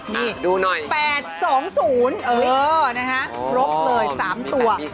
นี่๘๒๐เออนะฮะครบเลย๓ตัว